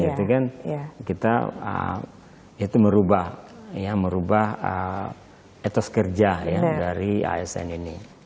itu kan kita itu merubah etos kerja dari asn ini